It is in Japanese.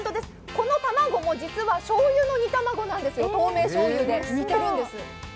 この卵も実はしょうゆの煮卵なんですよ、透明醤油で煮てるんです。